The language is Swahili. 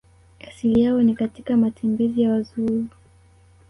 Asili yao ni katika matembezi ya Wazulu